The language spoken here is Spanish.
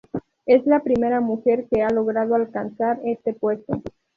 Es la primera mujer que ha logrado alcanzar este puesto.